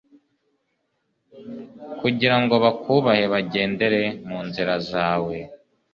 kugira ngo bakubahe bagendere mu nzira zawe